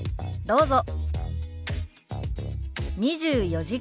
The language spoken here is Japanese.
どうぞ。